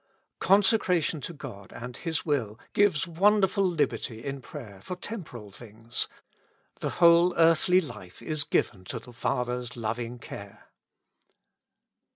Conse cration to God and His will gives wonderful liberty in prayer for temporal things ; the whole earthly life is given to the Father's loving care.